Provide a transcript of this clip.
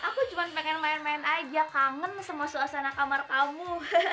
aku cuma pengen main main aja kangen sama suasana kamar kamu